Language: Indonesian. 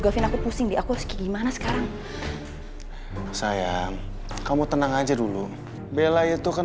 gafin aku pusing di aku harus gimana sekarang sayang kamu tenang aja dulu bella itu kan